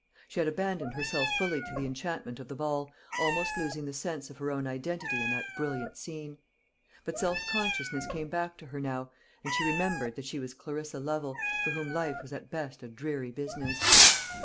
She had abandoned herself fully to the enchantment of the ball, almost losing the sense of her own identity in that brilliant scene. But self consciousness came back to her now, and she remembered that she was Clarissa Lovel, for whom life was at best a dreary business.